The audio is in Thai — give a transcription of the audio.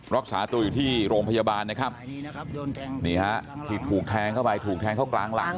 รักษาตัวอยู่ที่โรงพยาบาลนะครับนี่ฮะที่ถูกแทงเข้าไปถูกแทงเข้ากลางหลัง